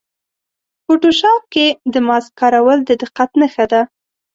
فوټوشاپ کې د ماسک کارول د دقت نښه ده.